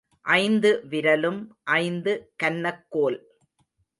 ஐந்து விரலும் ஐந்து கன்னக்கோல்.